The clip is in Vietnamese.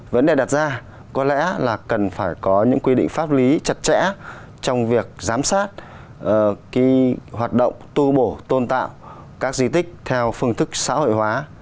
vấn đề đặt ra có lẽ là cần phải có những quy định pháp lý chặt chẽ trong việc giám sát hoạt động tu bổ tôn tạo các di tích theo phương thức xã hội hóa